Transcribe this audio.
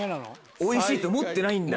おいしいと思ってないんだ。